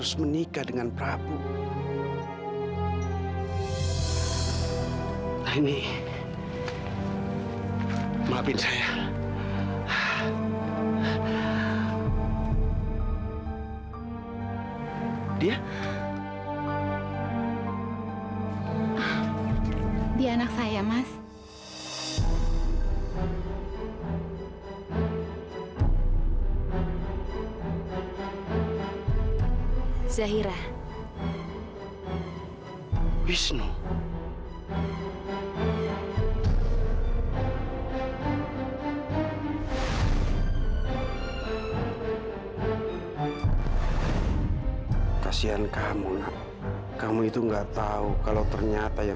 sampai jumpa di video selanjutnya